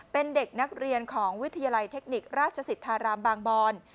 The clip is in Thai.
เป็นเด็กนักเรียนของวิทยาลัยเทคนิคราชสิทธารามบางบอน